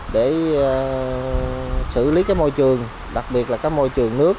để xử lý cái môi trường đặc biệt là cái môi trường nước